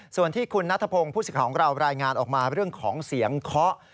ส่วนที่คุณนัทพงศ์ผู้สิทธิ์ของเรารายงานออกมาเรื่องของเสียงเคาะ